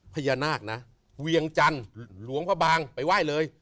พญานาคนะเวียงจันทร์หลวงพระบางไปไหว้เลย